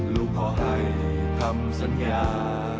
ลูกพ่อให้คำสัญญา